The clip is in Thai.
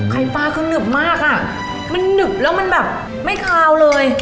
ปลาคือหนึบมากอ่ะมันหนึบแล้วมันแบบไม่คาวเลย